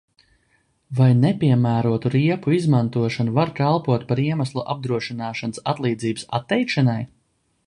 Vai nepiemērotu riepu izmantošana var kalpot par iemeslu apdrošināšanas atlīdzības atteikšanai?